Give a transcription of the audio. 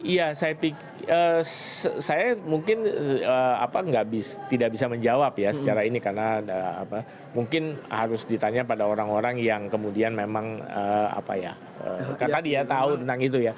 iya saya mungkin tidak bisa menjawab ya secara ini karena mungkin harus ditanya pada orang orang yang kemudian memang apa ya tadi ya tahu tentang itu ya